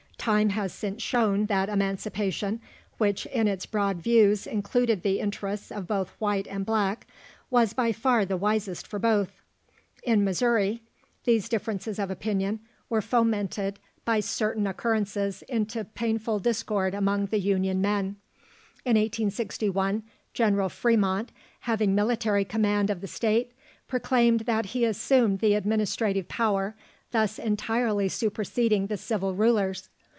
Time has since shown that Emancipation, which in its broad views included the interests of both white and black, was by far the wisest for both. In Missouri, these differences of opinion were fomented by certain occurrences into painful discord among the Union men. In 1861, General Fremont, having military command of the state, proclaimed that he assumed the administrative power, thus entirely superseding the civil rulers.